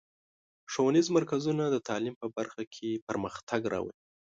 ښوونیز مرکزونه د تعلیم په برخه کې پرمختګ راولي.